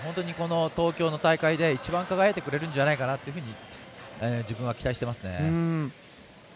東京の大会で一番輝いてくれるんじゃないかなって自分は期待していますね。